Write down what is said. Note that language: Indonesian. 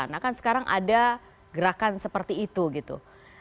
nah kan sekarang ada gerakan seperti itu gitu